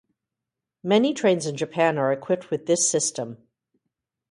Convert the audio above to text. Many trains in Japan are equipped with this system.